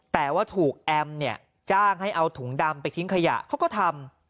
แต่ว่าถูกแอมเนี่ยจ้างให้เอาถุงดำไปทิ้งขยะเขาก็ทำ